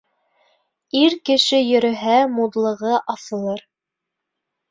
Ир кеше йөрөһә, мутлығы асылыр